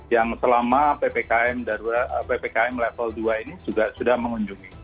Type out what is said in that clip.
yang selama ppkm level dua ini juga sudah mengunjungi